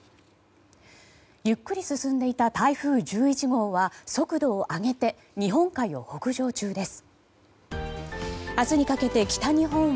ゆっくり進んでいた台風１１号は速度を上げて日本海を北上中です。